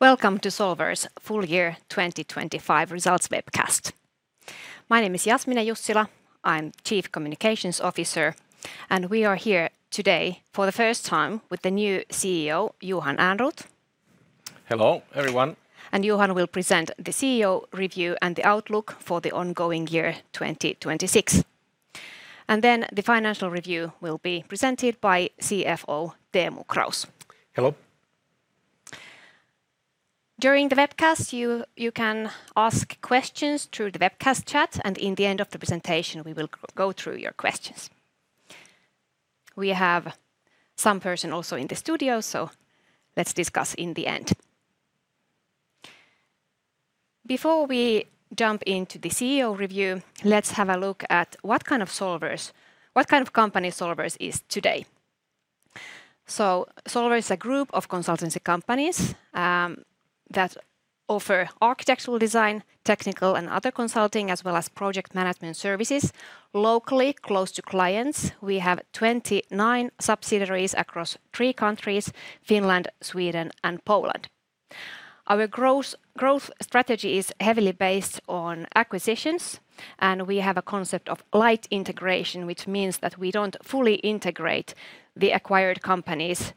Welcome to Solwers full year 2025 results webcast. My name is Jasmine Jussila. I'm Chief Communications Officer, we are here today for the first time with the new CEO, Johan Ehrnrooth. Hello, everyone. Johan will present the CEO review and the outlook for the ongoing year 2026, and then the financial review will be presented by CFO Teemu Kraus. Hello. During the webcast, you can ask questions through the webcast chat. In the end of the presentation, we will go through your questions. We have some person also in the studio. Let's discuss in the end. Before we jump into the CEO review, let's have a look at what kind of company Solwers is today. Solwers is a group of consultancy companies that offer architectural design, technical and other consulting, as well as project management services locally close to clients. We have 29 subsidiaries across three countries, Finland, Sweden and Poland. Our growth strategy is heavily based on acquisitions. We have a concept of light integration, which means that we don't fully integrate the acquired companies,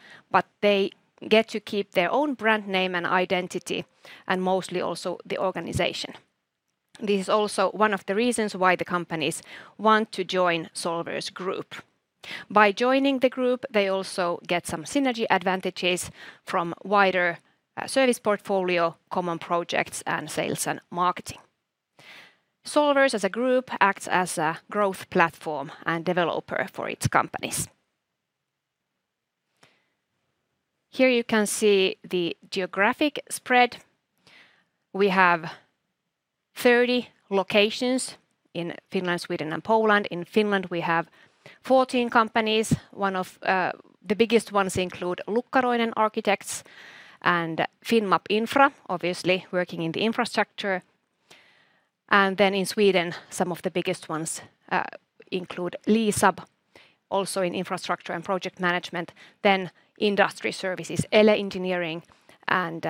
they get to keep their own brand name and identity, mostly also the organization. This is also one of the reasons why the companies want to join Solwers group. By joining the group, they also get some synergy advantages from wider service portfolio, common projects, and sales and marketing. Solwers, as a group, acts as a growth platform and developer for its companies. Here you can see the geographic spread. We have 30 locations in Finland, Sweden and Poland. In Finland, we have 14 companies. One of the biggest ones include Lukkaroinen Architects and Finnmap Infra, obviously working in the infrastructure. In Sweden, some of the biggest ones include Licab, also in infrastructure and project management, then Industry Services, ELE Engineering and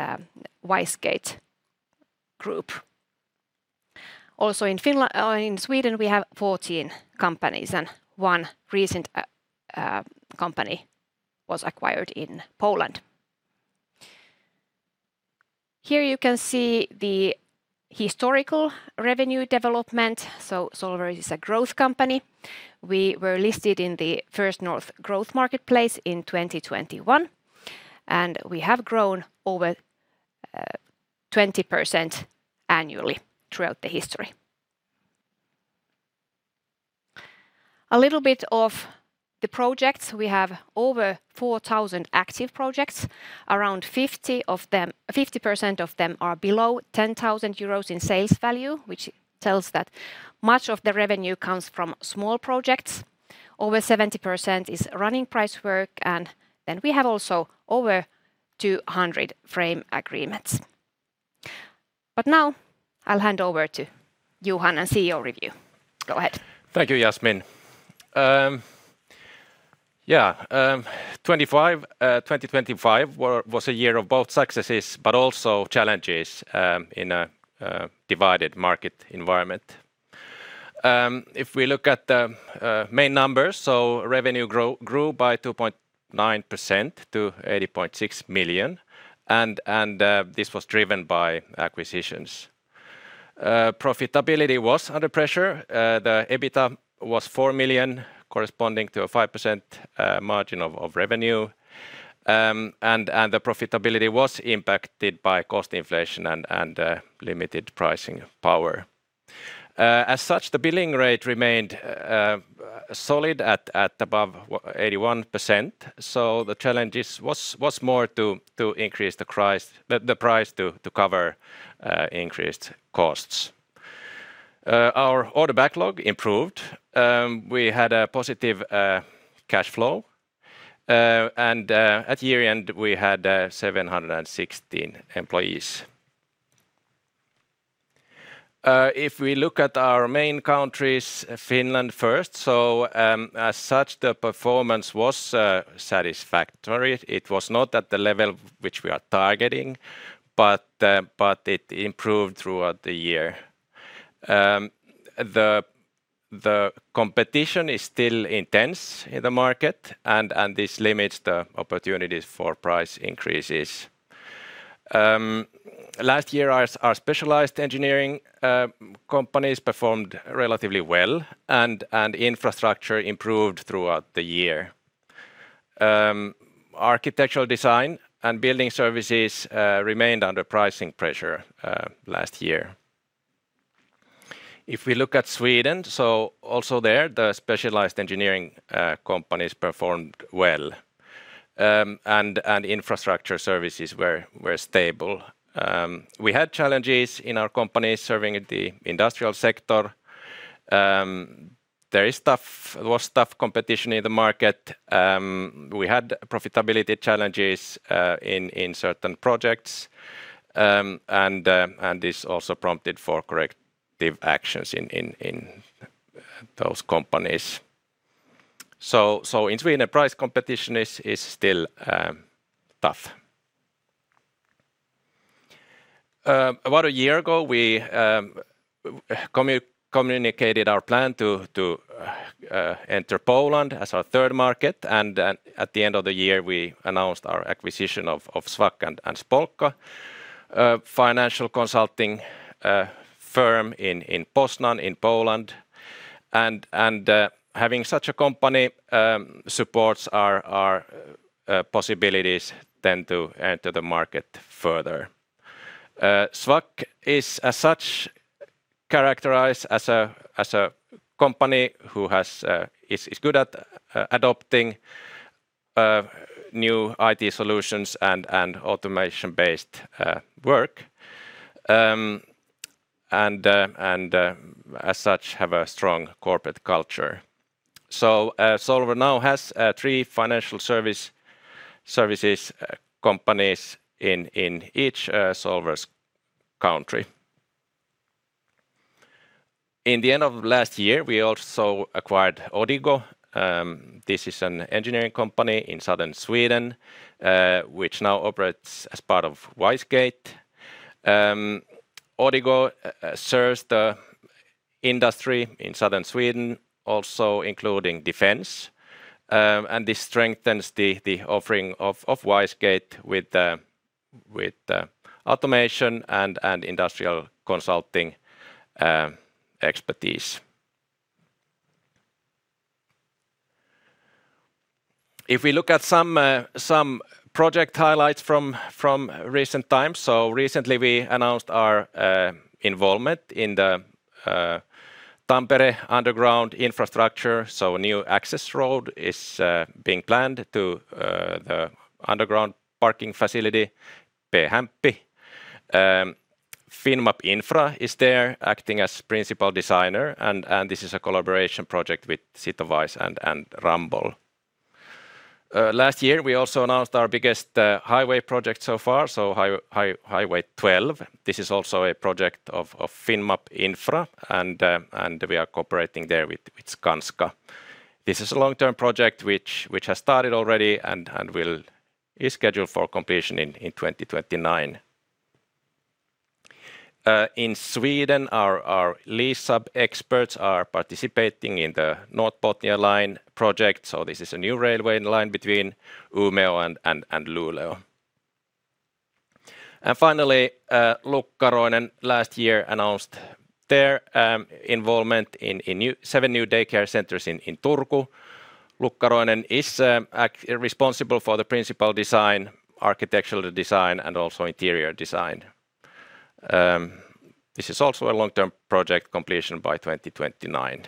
WiseGate Group. In Sweden, we have 14 companies, and one recent company was acquired in Poland. Here you can see the historical revenue development. Solwers is a growth company. We were listed in the First North Growth Market in 2021. We have grown over 20% annually throughout the history. A little bit of the projects. We have over 4,000 active projects. Around 50% of them are below 10,000 euros in sales value, which tells that much of the revenue comes from small projects. Over 70% is running price work. We have also over 200 frame agreements. Now I'll hand over to Johan and CEO review. Go ahead. Thank you, Jasmine. 2025 was a year of both successes but also challenges in a divided market environment. If we look at the main numbers, revenue grew by 2.9% to 80.6 million, and this was driven by acquisitions. Profitability was under pressure. The EBITDA was 4 million, corresponding to a 5% margin of revenue. The profitability was impacted by cost inflation and limited pricing power. As such, the billing rate remained solid at above 81%. The challenges was more to increase the price to cover increased costs. Our order backlog improved. We had a positive cash flow, and at year-end, we had 716 employees. If we look at our main countries, Finland first, as such, the performance was satisfactory. It was not at the level which we are targeting, but it improved throughout the year. The competition is still intense in the market, and this limits the opportunities for price increases. Last year, our specialized engineering companies performed relatively well and infrastructure improved throughout the year. Architectural design and building services remained under pricing pressure last year. If we look at Sweden, also there, the specialized engineering companies performed well. Infrastructure services were stable. We had challenges in our companies serving the industrial sector. There was tough competition in the market. We had profitability challenges in certain projects. This also prompted for corrective actions in those companies. In Sweden, the price competition is still tough. About a year ago, we communicated our plan to enter Poland as our third market and then at the end of the year, we announced our acquisition of Szwak & Spółka, a financial consulting firm in Poznań, in Poland. Having such a company supports our possibilities then to enter the market further. Szwak is as such characterized as a company who is good at adopting new IT solutions and automation-based work. As such have a strong corporate culture. Solwers now has three financial services companies in each Solwers country. In the end of last year, we also acquired Odigo. This is an engineering company in southern Sweden, which now operates as part of WiseGate. Odigo serves the industry in southern Sweden, also including defense. This strengthens the offering of WiseGate with the automation and industrial consulting expertise. If we look at some project highlights from recent times. Recently we announced our involvement in the Tampere underground infrastructure, a new access road is being planned to the underground parking facility, P-Hämppi. Finnmap Infra is there acting as principal designer and this is a collaboration project with Sitowise and Ramboll. Last year we also announced our biggest highway project so far, Highway 12. This is also a project of Finnmap Infra and we are cooperating there with Skanska. This is a long-term project which has started already and is scheduled for completion in 2029. In Sweden, our Licab experts are participating in the North Bothnia Line project, so this is a new railway line between Umeå and Luleå. Finally, Lukkaroinen last year announced their involvement in seven new daycare centers in Turku. Lukkaroinen is responsible for the principal design, architectural design, and also interior design. This is also a long-term project completion by 2029.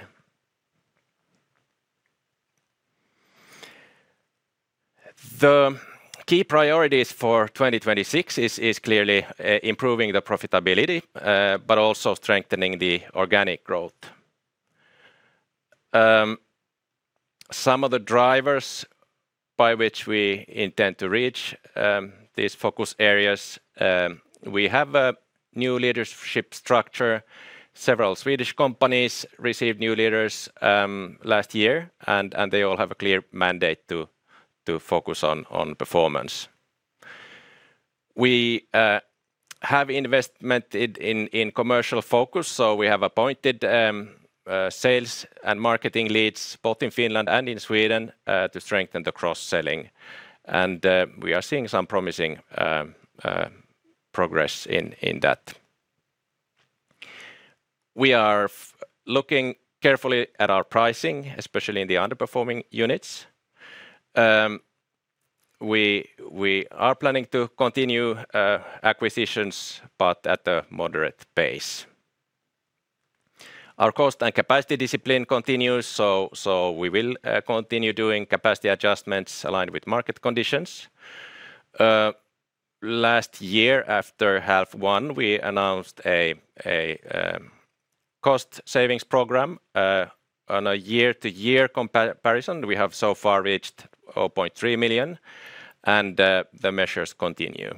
The key priorities for 2026 is clearly improving the profitability, but also strengthening the organic growth. Some of the drivers by which we intend to reach these focus areas, we have a new leadership structure. Several Swedish companies received new leaders last year, they all have a clear mandate to focus on performance. We have investment in commercial focus, we have appointed sales and marketing leads both in Finland and in Sweden to strengthen the cross-selling. We are seeing some promising progress in that. We are looking carefully at our pricing, especially in the underperforming units. We are planning to continue acquisitions at a moderate pace. Our cost and capacity discipline continues, we will continue doing capacity adjustments aligned with market conditions. Last year, after half one, we announced a cost savings program, on a year-to-year comparison. We have so far reached 0.3 million and the measures continue.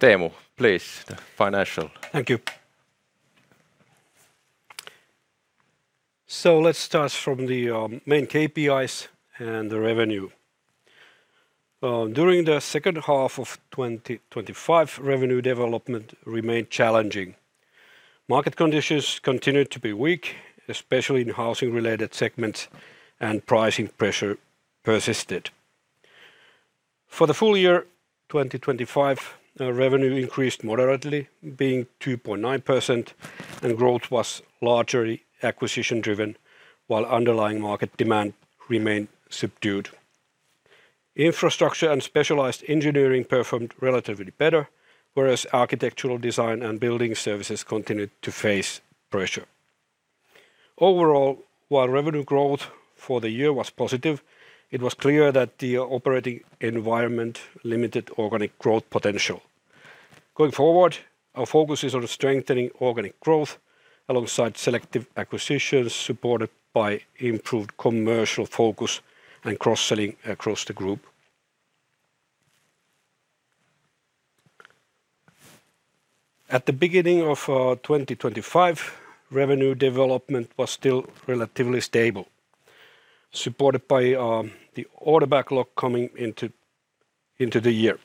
Teemu, please, the financial. Thank you. Let's start from the main KPIs and the revenue. During the second half of 2025, revenue development remained challenging. Market conditions continued to be weak, especially in housing-related segments, and pricing pressure persisted. For the full year 2025, revenue increased moderately, being 2.9%, and growth was largely acquisition-driven while underlying market demand remained subdued. Infrastructure and specialized engineering performed relatively better, whereas architectural design and building services continued to face pressure. Overall, while revenue growth for the year was positive, it was clear that the operating environment limited organic growth potential. Going forward, our focus is on strengthening organic growth alongside selective acquisitions supported by improved commercial focus and cross-selling across the group. At the beginning of 2025, revenue development was still relatively stable, supported by the order backlog coming into the year.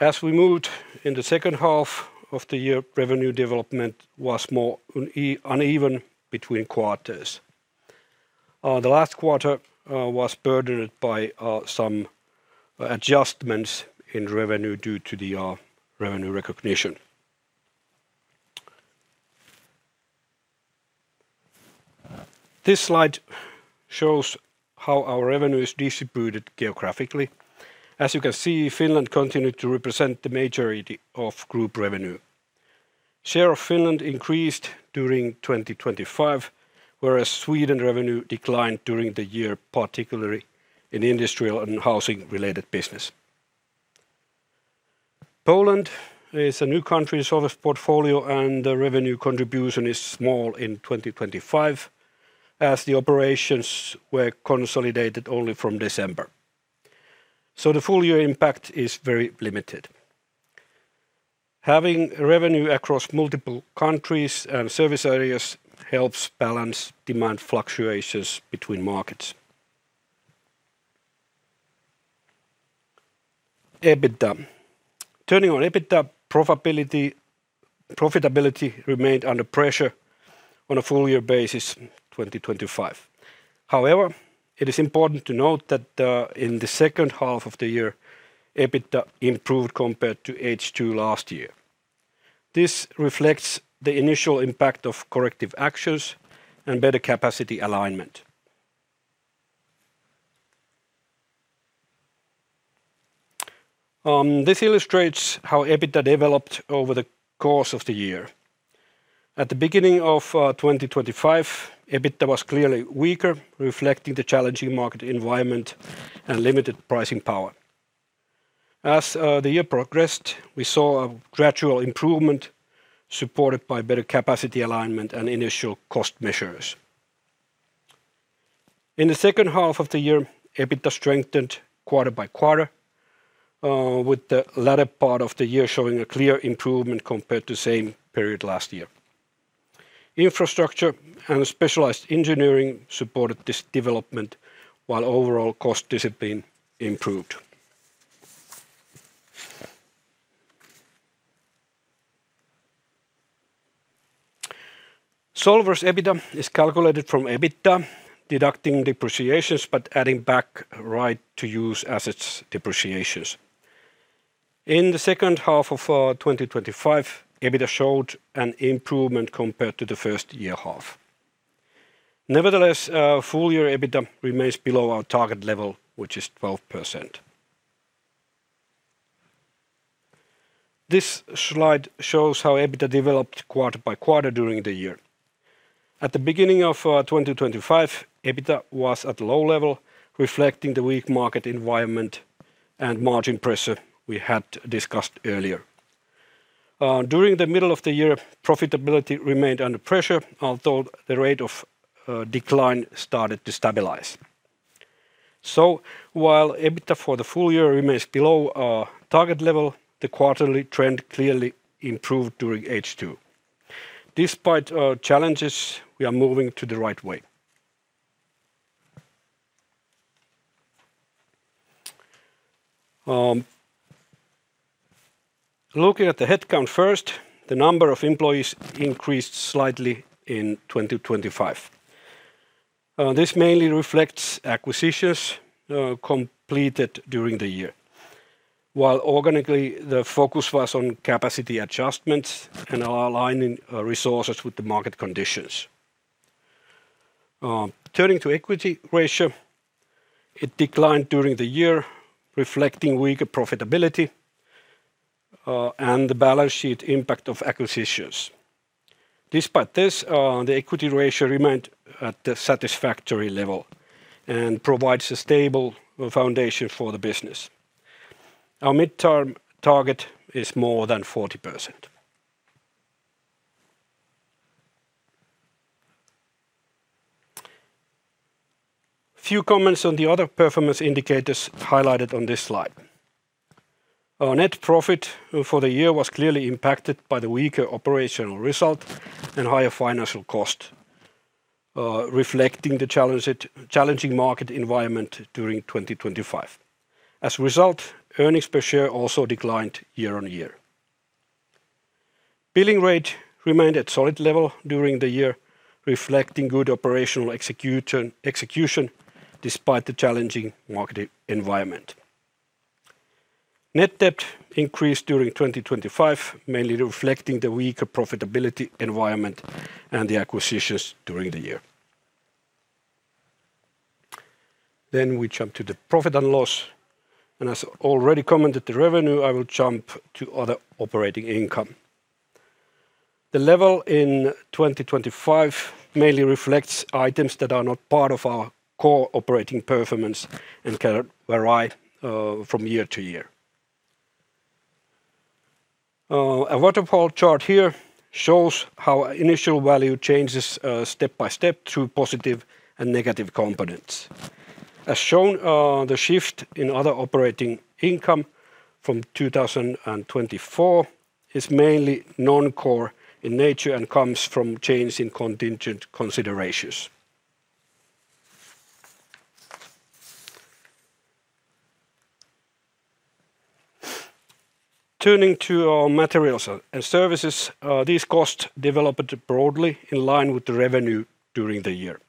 As we moved in the second half of the year, revenue development was more uneven between quarters. The last quarter was burdened by some adjustments in revenue due to the revenue recognition. This slide shows how our revenue is distributed geographically. As you can see, Finland continued to represent the majority of group revenue. Share of Finland increased during 2025, whereas Sweden revenue declined during the year, particularly in industrial and housing-related business. Poland is a new country service portfolio, and the revenue contribution is small in 2025 as the operations were consolidated only from December. The full year impact is very limited. Having revenue across multiple countries and service areas helps balance demand fluctuations between markets. EBITDA. Turning on EBITDA profitability remained under pressure on a full year basis in 2025. However, it is important to note that, in the second half of the year, EBITDA improved compared to H2 last year. This reflects the initial impact of corrective actions and better capacity alignment. This illustrates how EBITDA developed over the course of the year. At the beginning of 2025, EBITDA was clearly weaker, reflecting the challenging market environment and limited pricing power. As the year progressed, we saw a gradual improvement supported by better capacity alignment and initial cost measures. In the second half of the year, EBITDA strengthened quarter by quarter, with the latter part of the year showing a clear improvement compared to same period last year. Infrastructure and specialized engineering supported this development while overall cost discipline improved. Solwers' EBIT is calculated from EBITDA, deducting depreciations but adding back right-of-use assets depreciations. In the second half of 2025, EBITDA showed an improvement compared to the first year half. Nevertheless, full year EBITDA remains below our target level, which is 12%. This slide shows how EBITDA developed quarter by quarter during the year. At the beginning of 2025, EBITDA was at low level, reflecting the weak market environment and margin pressure we had discussed earlier. During the middle of the year, profitability remained under pressure, although the rate of decline started to stabilize. While EBITDA for the full year remains below our target level, the quarterly trend clearly improved during H2. Despite challenges, we are moving to the right way. Looking at the headcount first, the number of employees increased slightly in 2025. This mainly reflects acquisitions completed during the year. Organically, the focus was on capacity adjustments and aligning resources with the market conditions. Turning to equity ratio, it declined during the year, reflecting weaker profitability and the balance sheet impact of acquisitions. Despite this, the equity ratio remained at the satisfactory level and provides a stable foundation for the business. Our midterm target is more than 40%. A few comments on the other performance indicators highlighted on this slide. Our net profit for the year was clearly impacted by the weaker operational result and higher financial cost, reflecting the challenging market environment during 2025. As a result, earnings per share also declined year-over-year. Billing rate remained at solid level during the year, reflecting good operational execution despite the challenging market environment. Net debt increased during 2025, mainly reflecting the weaker profitability environment and the acquisitions during the year. We jump to the profit and loss, as already commented the revenue, I will jump to other operating income. The level in 2025 mainly reflects items that are not part of our core operating performance and can vary from year to year. A waterfall chart here shows how initial value changes step by step through positive and negative components. As shown, the shift in other operating income from 2024 is mainly non-core in nature and comes from change in contingent considerations. Turning to our materials and services, these costs developed broadly in line with the revenue during the year.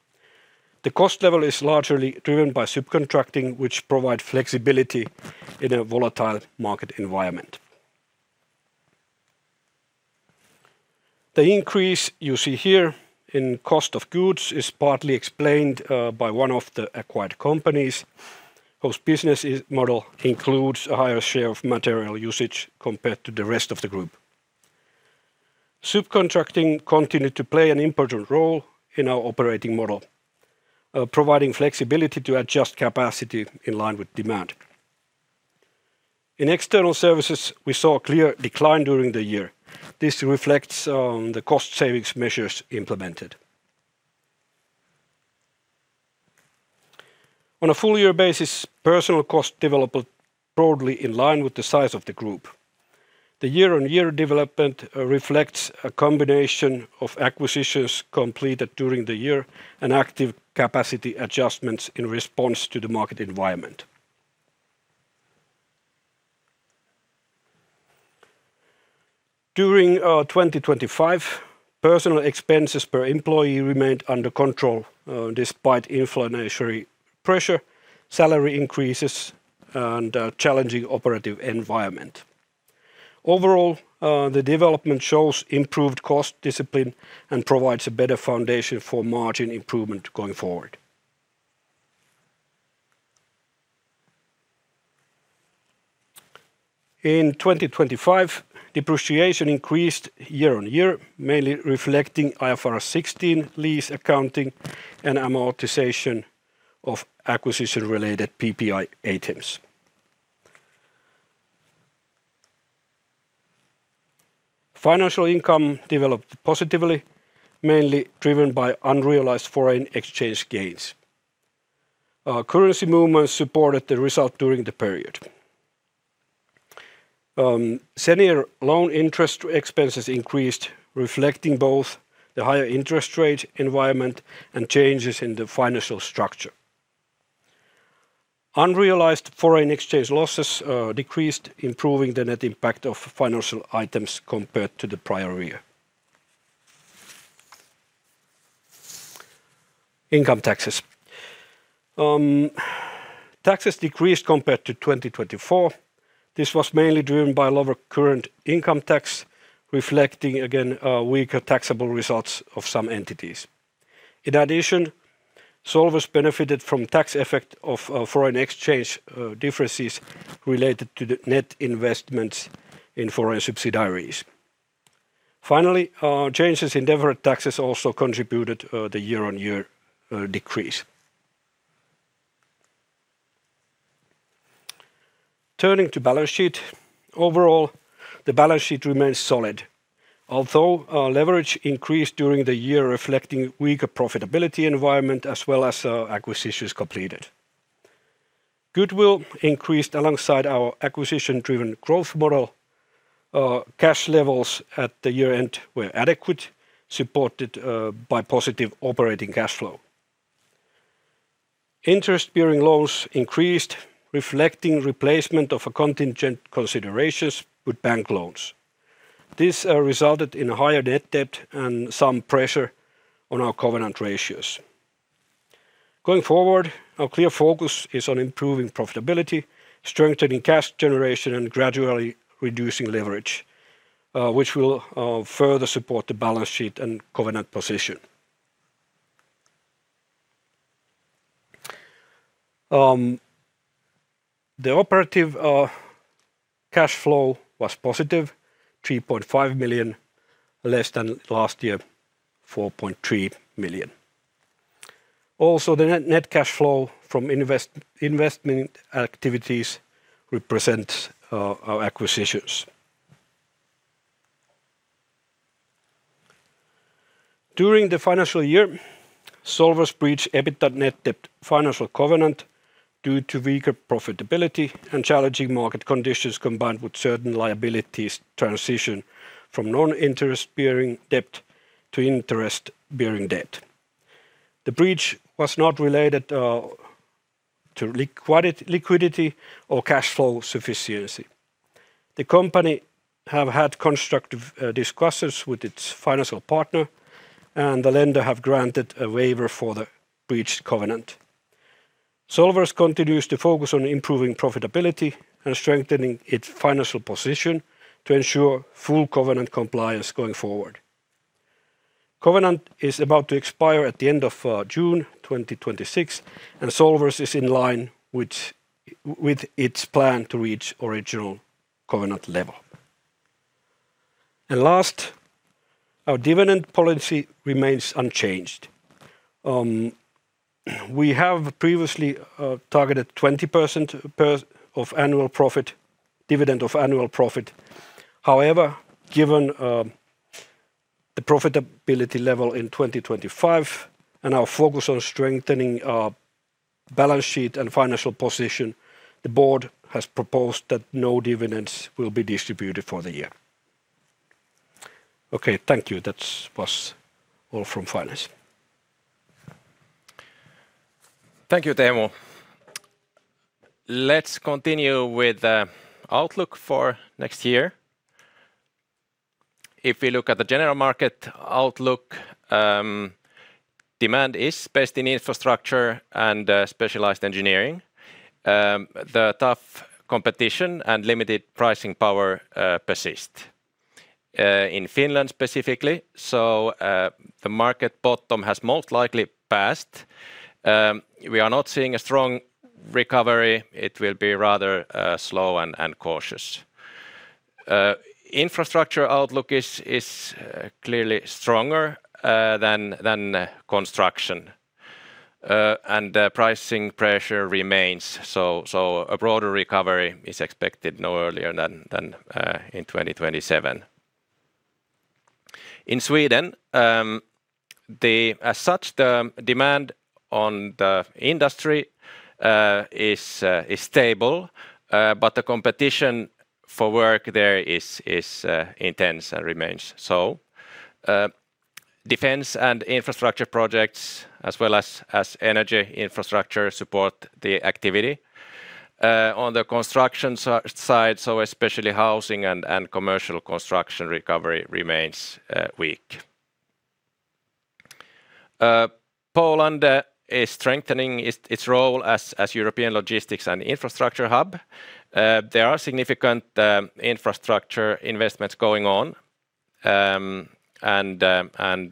The cost level is largely driven by subcontracting, which provide flexibility in a volatile market environment. The increase you see here in cost of goods is partly explained by one of the acquired companies whose business model includes a higher share of material usage compared to the rest of the group. Subcontracting continued to play an important role in our operating model, providing flexibility to adjust capacity in line with demand. In external services, we saw a clear decline during the year. This reflects the cost savings measures implemented. On a full year basis, personnel cost developed broadly in line with the size of the group. The year-on-year development reflects a combination of acquisitions completed during the year and active capacity adjustments in response to the market environment. During 2025, personnel expenses per employee remained under control despite inflationary pressure, salary increases, and a challenging operative environment. Overall, the development shows improved cost discipline and provides a better foundation for margin improvement going forward. In 2025, depreciation increased year-on-year, mainly reflecting IFRS 16 lease accounting and amortization of acquisition-related PPA items. Financial income developed positively, mainly driven by unrealized foreign exchange gains. Currency movements supported the result during the period. Senior loan interest expenses increased, reflecting both the higher interest rate environment and changes in the financial structure. Unrealized foreign exchange losses decreased, improving the net impact of financial items compared to the prior year. Income taxes. Taxes decreased compared to 2024. This was mainly driven by lower current income tax, reflecting again, weaker taxable results of some entities. In addition, Solwers benefited from tax effect of foreign exchange differences related to the net investments in foreign subsidiaries. Finally, changes in deferred taxes also contributed the year-on-year decrease. Turning to balance sheet. Overall, the balance sheet remains solid, although leverage increased during the year, reflecting weaker profitability environment as well as acquisitions completed. Goodwill increased alongside our acquisition-driven growth model. Cash levels at the year-end were adequate, supported by positive operating cash flow. Interest-bearing loans increased, reflecting replacement of a contingent considerations with bank loans. This resulted in a higher net debt and some pressure on our covenant ratios. Going forward, our clear focus is on improving profitability, strengthening cash generation, and gradually reducing leverage, which will further support the balance sheet and covenant position. The operative cash flow was positive, 3.5 million, less than last year, 4.3 million. Also, the net cash flow from investment activities represent our acquisitions. During the financial year, Solwers breached EBITDA net debt financial covenant due to weaker profitability and challenging market conditions combined with certain liabilities transition from non-interest bearing debt to interest bearing debt. The breach was not related to liquidity or cash flow sufficiency. The company have had constructive discussions with its financial partner. The lender have granted a waiver for the breached covenant. Solwers continues to focus on improving profitability and strengthening its financial position to ensure full covenant compliance going forward. Covenant is about to expire at the end of June 2026. Solwers is in line with its plan to reach original covenant level. Our dividend policy remains unchanged. We have previously targeted 20% of annual profit, dividend of annual profit. Given, the profitability level in 2025 and our focus on strengthening our balance sheet and financial position, the board has proposed that no dividends will be distributed for the year. Okay, thank you. That's, was all from finance. Thank you, Teemu. Let's continue with outlook for next year. If we look at the general market outlook, demand is based in infrastructure and specialized engineering. The tough competition and limited pricing power persist in Finland specifically. The market bottom has most likely passed. We are not seeing a strong recovery. It will be rather slow and cautious. Infrastructure outlook is clearly stronger than construction. The pricing pressure remains, so a broader recovery is expected no earlier than in 2027. In Sweden, as such, the demand on the industry is stable, but the competition for work there is intense and remains so. Defense and infrastructure projects as well as energy infrastructure support the activity on the construction side, especially housing and commercial construction recovery remains weak. Poland is strengthening its role as European logistics and infrastructure hub. There are significant infrastructure investments going on and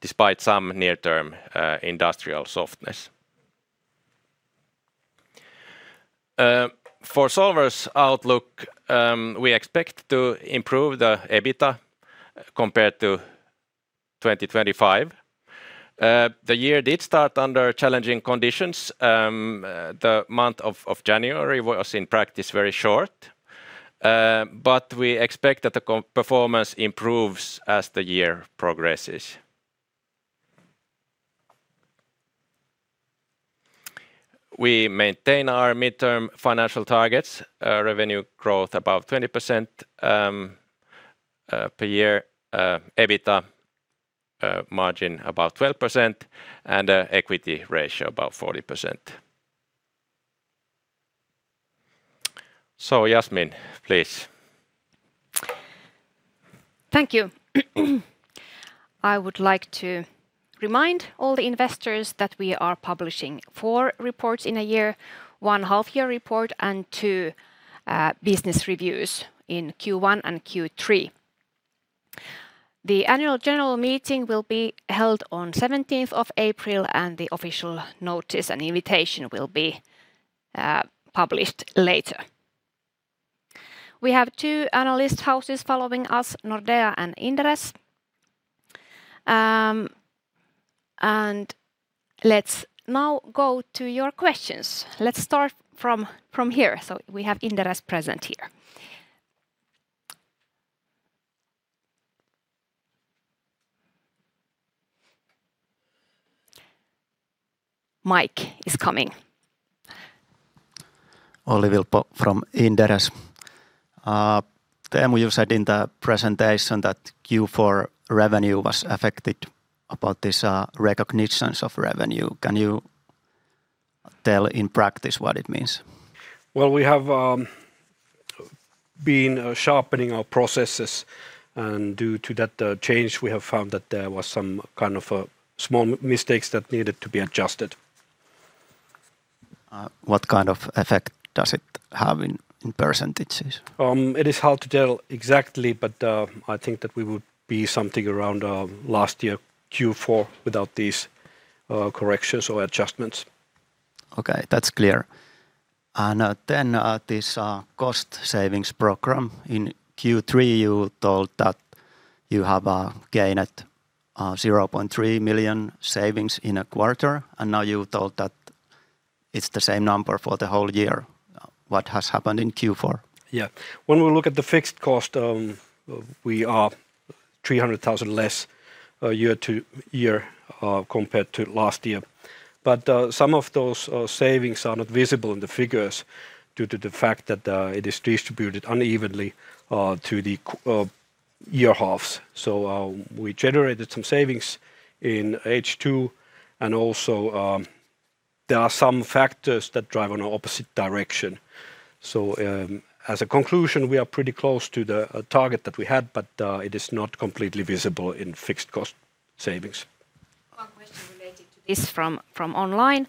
despite some near-term industrial softness. For Solwers's outlook, we expect to improve the EBITDA compared to 2025. The year did start under challenging conditions. The month of January was in practice very short. We expect that the performance improves as the year progresses. We maintain our midterm financial targets. Revenue growth about 20% per year. EBITDA margin about 12% and equity ratio about 40%. Jasmine, please. Thank you. I would like to remind all the investors that we are publishing four reports in a year, one half-year report and two business reviews in Q1 and Q3. The annual general meeting will be held on 17th of April, and the official notice and invitation will be published later. We have two analyst houses following us, Nordea and Inderes. Let's now go to your questions. Let's start from here. We have Inderes present here. Mic is coming. Olli Vilppo from Inderes. Teemu, you said in the presentation that Q4 revenue was affected about this recognition of revenue. Can you tell in practice what it means? Well, we have been sharpening our processes, and due to that change, we have found that there was some small mistakes that needed to be adjusted. What kind of effect does it have in percentages? It is hard to tell exactly, but I think that we would be something around last year Q4 without these corrections or adjustments. Okay, that's clear. Then, this cost savings program. In Q3, you told that you have a gain at 0.3 million savings in a quarter, and now you told that it's the same number for the whole year. What has happened in Q4? When we look at the fixed cost, we are 300,000 less year-to-year compared to last year. Some of those savings are not visible in the figures due to the fact that it is distributed unevenly to the year halves. We generated some savings in H2, and also, there are some factors that drive in an opposite direction. As a conclusion, we are pretty close to the target that we had, it is not completely visible in fixed cost savings. One question related to this from online.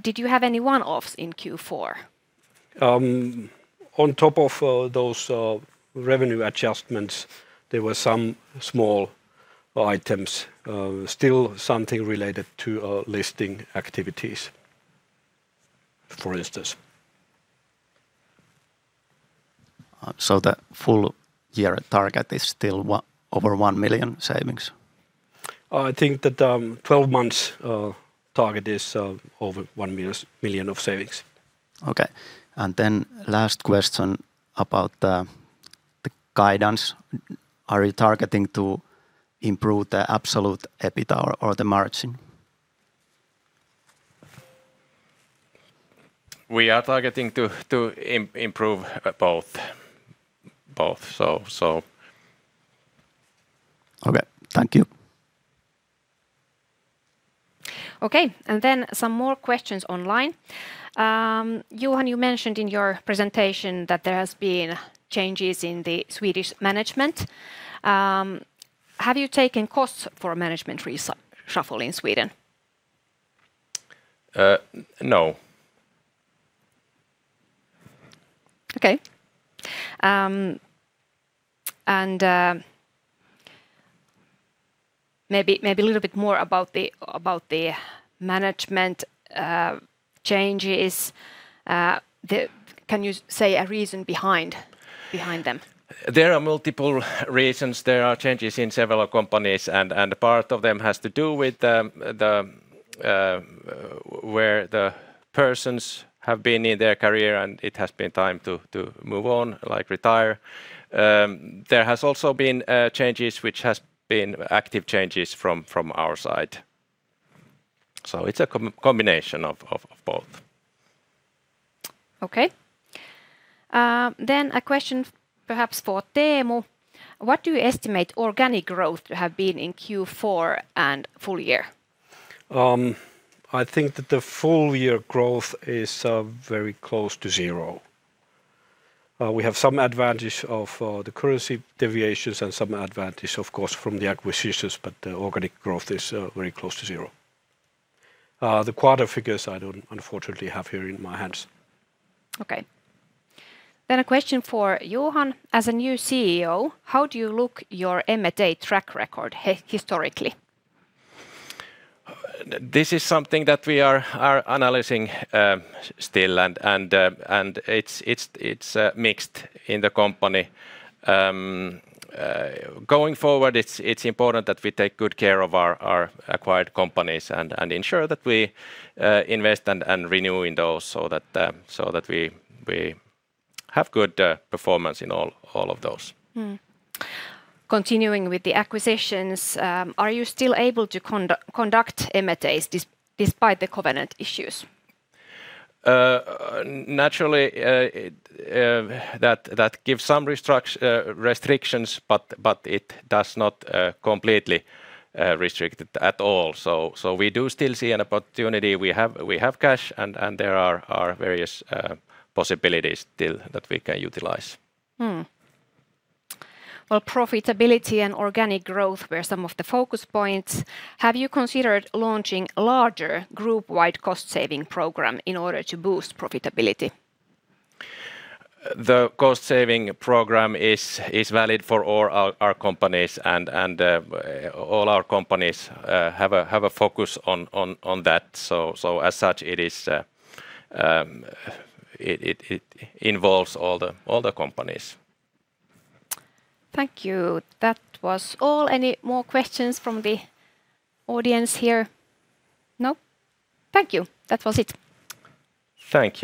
Did you have any one-offs in Q4? On top of those revenue adjustments, there were some small items, still something related to listing activities, for instance. The full year target is still over 1 million savings? I think that, 12 months, target is, over 1 million of savings. Okay. Last question about the guidance. Are you targeting to improve the absolute EBITDA or the margin? We are targeting to improve both. Okay. Thank you. Okay. Some more questions online. Johan, you mentioned in your presentation that there has been changes in the Swedish management. Have you taken costs for management shuffle in Sweden? No. Okay. Maybe a little bit more about the management changes. Can you say a reason behind them? There are multiple reasons. There are changes in several companies and a part of them has to do with the where the persons have been in their career, and it has been time to move on, like retire. There has also been changes which has been active changes from our side. It's a combination of both. A question perhaps for Teemu. What do you estimate organic growth to have been in Q4 and full year? I think that the full year growth is very close to zero. We have some advantage of the currency deviations and some advantage, of course, from the acquisitions, but the organic growth is very close to zero. The quarter figures I don't unfortunately have here in my hands. Okay. A question for Johan. As a new CEO, how do you look your M&A track record historically? This is something that we are analyzing still and it's mixed in the company. Going forward, it's important that we take good care of our acquired companies and ensure that we invest and renew in those so that we have good performance in all of those. Continuing with the acquisitions, are you still able to conduct M&As despite the covenant issues? Naturally, it, that gives some restrictions, but it does not completely restrict it at all. We do still see an opportunity. We have cash, and there are various possibilities still that we can utilize. Well, profitability and organic growth were some of the focus points. Have you considered launching larger group-wide cost saving program in order to boost profitability? The cost saving program is valid for all our companies, and all our companies have a focus on that. As such, it involves all the companies. Thank you. That was all. Any more questions from the audience here? No? Thank you. That was it. Thanks